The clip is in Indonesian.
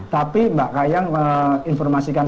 tapi mbak kayang informasikan